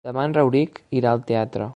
Demà en Rauric irà al teatre.